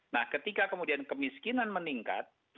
nah ketika kemudian kemiskinan meningkat